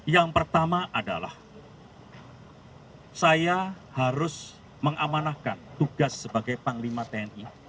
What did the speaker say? yang pertama adalah saya harus mengamanahkan tugas sebagai panglima tni